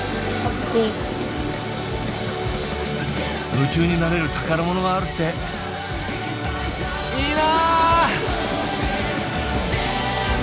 夢中になれる宝物があるっていいな！